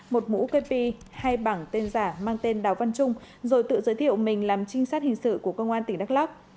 một mũ kê pi hai bảng tên giả mang tên đào văn trung rồi tự giới thiệu mình làm trinh sát hình sự của công an tỉnh đắk lắk